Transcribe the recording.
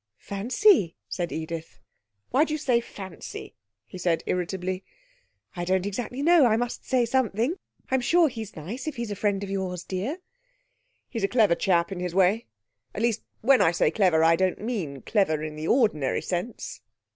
'Fancy!' said Edith. 'Why do you say fancy?' he asked irritably. 'I don't exactly know. I must say something. I'm sure he's nice if he's a friend of yours, dear.' 'He's a clever chap in his way. At least, when I say clever, I don't mean clever in the ordinary sense.'